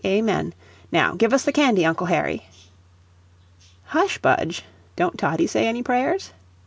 Amen. Now give us the candy, Uncle Harry." "Hush, Budge; don't Toddie say any prayers?"